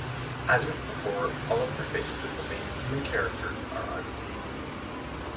As with before, all of the faces of the main human characters are unseen.